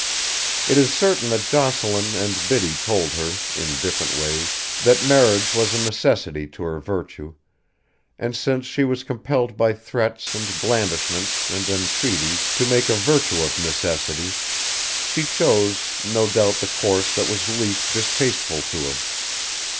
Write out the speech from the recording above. It is certain that Jocelyn and Biddy told her, in different ways, that marriage was a necessity to her virtue, and since she was compelled by threats and blandishments and entreaties to make a virtue of necessity, she chose, no doubt the course that was least distasteful to her.